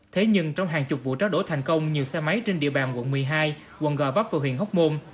thế nhưng trong hàng chục vụ tráo đổ thành công nhiều xe máy trên địa bàn quận một mươi hai quận g vấp và huyện hóc môn